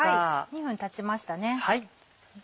２分たちましたね。